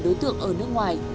đối tượng ở nước ngoài